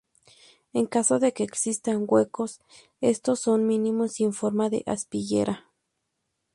En caso de que existan huecos, estos son mínimos y en forma de aspillera.